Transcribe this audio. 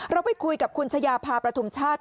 เราไปคุยกับคุณชายาพาประทุมชาติ